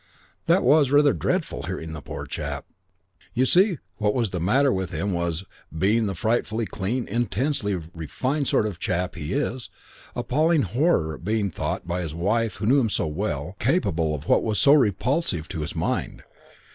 "It was rather dreadful, hearing the poor chap. You see, what was the matter with him was, being the frightfully clean, intensely refined sort of chap he is, appalling horror at being thought, by his wife who knew him so well, capable of what was so repulsive to his mind.